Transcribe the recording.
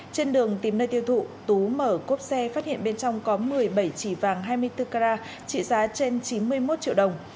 trên đường tìm nơi tiêu thụ tú mở cốp xe phát hiện bên trong có một mươi bảy chỉ vàng hai mươi bốn carat trị giá trên chín mươi một triệu đồng